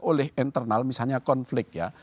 oleh internal misalnya konflik ya